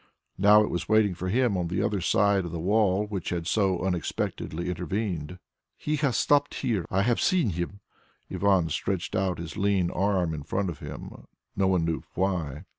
Now it was waiting for him on the other side of the wall which had so unexpectedly intervened. "He has stopped there; I have seen Him!" Ivan stretched out his lean arm in front of him, no one knew why.